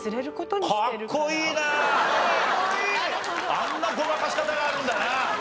あんなごまかし方があるんだな。